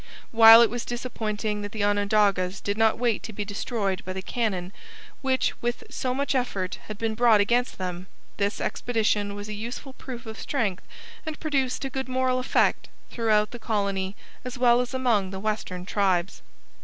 While it was disappointing that the Onondagas did not wait to be destroyed by the cannon which with so much effort had been brought against them, this expedition was a useful proof of strength and produced a good moral effect throughout the colony as well as among the western tribes.